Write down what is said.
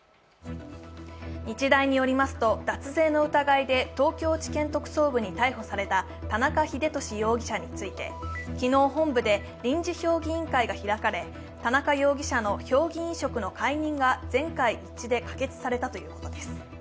日大によりますと脱税の疑いで東京地検特捜部に逮捕された田中英寿容疑者について、昨日本部で臨時評議員会が開かれ田中容疑者の評議員職の解任が全会一致で可決されたということです。